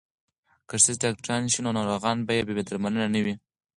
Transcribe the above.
که ښځې ډاکټرانې شي نو ناروغان به بې درملنې نه وي.